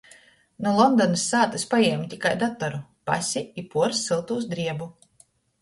Nu Londonys sātys pajiemu tikai datoru, pasi i puors syltūs driebu.